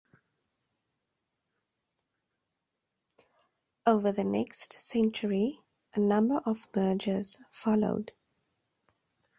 Over the next century, a number of mergers followed.